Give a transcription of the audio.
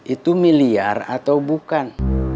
itu miliar atau bukan